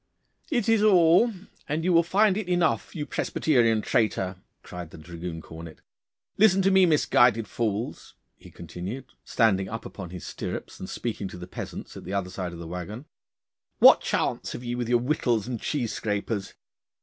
'It is all, and you will find it enough, you Presbyterian traitor,' cried the dragoon cornet. 'Listen to me, misguided fools,' he continued, standing up upon his stirrups and speaking to the peasants at the other side of the waggon. 'What chance have ye with your whittles and cheese scrapers?